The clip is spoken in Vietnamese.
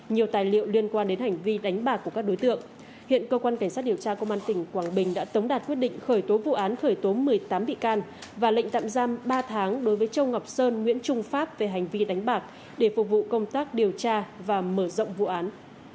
nhiều tài liệu liên quan đến hành vi đánh bạc của các đối tượng hiện cơ quan cảnh sát điều tra công an tỉnh quảng bình đã tống đạt quyết định khởi tố vụ án khởi tố một mươi tám bị can và lệnh tạm giam ba tháng đối với châu ngọc sơn nguyễn trung pháp về hành vi đánh bạc để phục vụ công tác điều tra và mở rộng vụ án